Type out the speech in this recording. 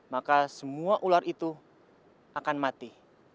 maka semua ular itu akan mati